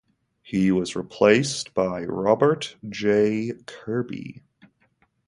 He was replaced by Robert J. Kirby.